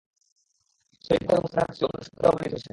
সহীহ বুখারী ও মুসলিমে হাদীসটি অন্য সূত্রেও বর্ণিত হয়েছে।